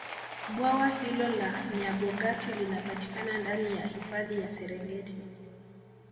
bwawa hilo la nyabogati linapatikana ndani ya hifadhi ya serengeti